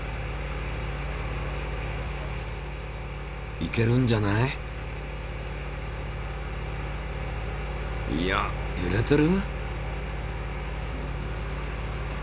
いけるんじゃない？いやゆれてる？